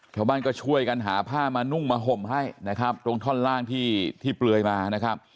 ชาวบ้านก็ช่วยกันหาผ้ามานุ่งมาห่มให้นะครับตรงท่อนล่างที่ที่เปลือยมานะครับ